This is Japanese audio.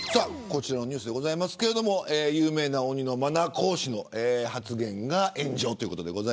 こちらのニュースですが有名な鬼のマナー講師の発言が炎上ということです。